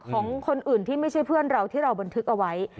ของคนอื่นที่ไม่ใช่เพื่อนเราที่เราบันทึกเอาไว้